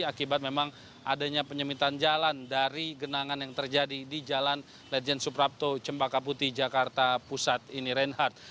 akibat memang adanya penyemitan jalan dari genangan yang terjadi di jalan lejen suprapto cempaka putih jakarta pusat ini reinhardt